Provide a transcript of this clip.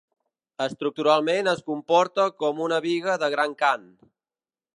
Estructuralment es comporta com una biga de gran cant.